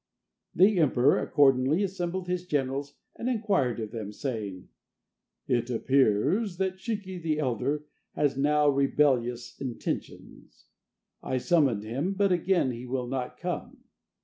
The emperor accordingly assembled his generals and inquired of them, saying: "It appears that Shiki the elder has now rebellious intentions. I summoned him, but again he will not come.